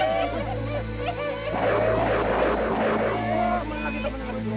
kalau lu pocong palsu kau takut apa